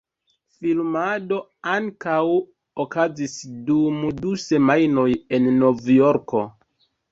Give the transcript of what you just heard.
Filmado ankaŭ okazis dum du semajnoj en Novjorko.